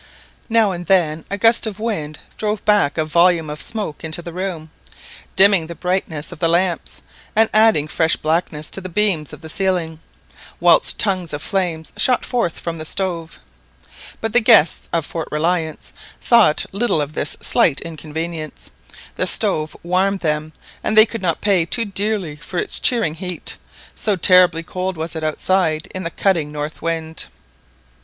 Now and then a gust of wind drove back a volume of smoke into the room, dimming the brightness of the lamps, and adding fresh blackness to the beams of the ceiling, whilst tongues of flame shot forth from the stove. But the guests of Fort Reliance thought little of this slight inconvenience; the stove warmed them, and they could not pay too dearly for its cheering heat, so terribly cold was it outside in the cutting north wind.